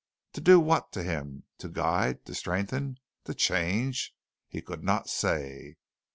To do what to him? To guide? To strengthen? To change? He could not say.